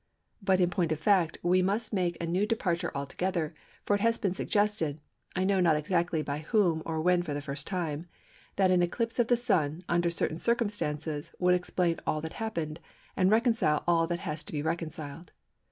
But, in point of fact, we must make a new departure altogether, for it has been suggested (I know not exactly by whom, or when for the first time) that an eclipse of the Sun, under certain circumstances, would explain all that happened, and reconcile all that has to be reconciled.